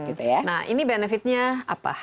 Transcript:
nah ini benefitnya apa